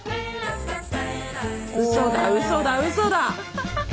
うそだうそだうそだ。